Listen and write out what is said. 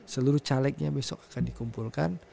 seluruh calegnya besok akan dikumpulkan